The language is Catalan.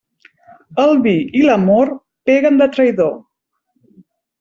El vi i l'amor peguen de traïdor.